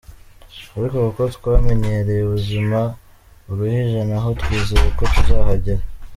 Ariko kuko twamenyereye ubuzima buruhije naho twizeye ko tuzahagera.